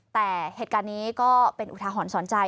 แต่เหตุการณ์นี้ก็เป็นอุทาหรณ์สอนใจ